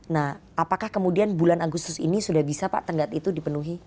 nah apakah kemudian bulan agustus ini sudah bisa pak tenggat itu dipenuhi